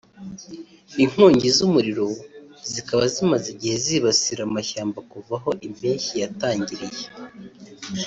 inkongi z’umuriro zikaba zimaze igihe zibasira amashyamba kuva aho impeshyi yatangiriye